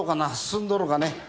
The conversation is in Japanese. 進んどるかね？